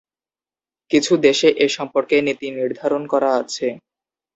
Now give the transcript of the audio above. কিছু দেশে এ সম্পর্কে নীতি নির্ধারণ করা আছে।